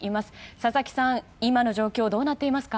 佐々木さん、今の状況どうなっていますか。